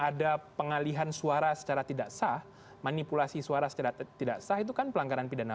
ada pengalihan suara secara tidak sah manipulasi suara secara tidak sah itu kan pelanggaran pidana